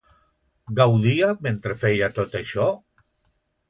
Gaudia mentre feia tot això?